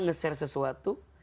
sembaran share sesuatu